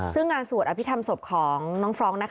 ซึ่งงานสวดอภิษฐรรมศพของน้องฟรองก์